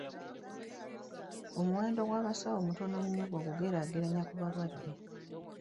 Omuwendo gw'abasawo mutono nnyo bw'ogugeraageranya ku balwadde.